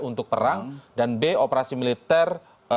untuk perang dan b operasi militer